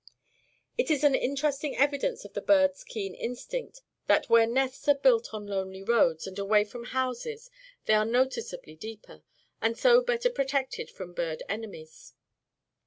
It is an interesting evidence of the bird's keen instinct that where nests are built on lonely roads and away from houses they are noticeably deeper, and so better protected from bird enemies.